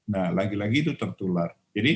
nah lagi lagi itu tertular jadi